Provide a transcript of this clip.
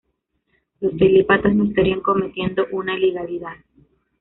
los telépatas no estarían cometiendo una ilegalidad